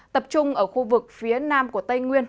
tập trung ở khu vực phía nam của tây nguyên